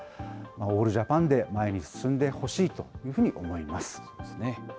オールジャパンで前に進んでほしいというふうに思います。